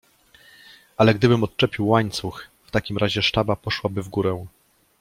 Ale gdybym odczepił łańcuch, w takim razie sztaba poszłaby w górę.